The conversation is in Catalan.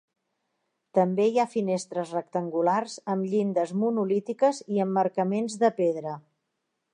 També hi ha finestres rectangulars amb llindes monolítiques i emmarcaments de pedra.